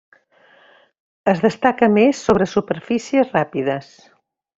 Es destaca més sobre superfícies ràpides.